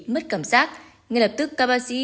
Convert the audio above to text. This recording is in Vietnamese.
mất cảm giác ngay lập tức các bác sĩ